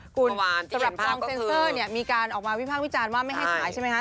คุณสำหรับกองเซ็นเซอร์เนี่ยมีการออกมาวิภาควิจารณ์ว่าไม่ให้ขายใช่ไหมคะ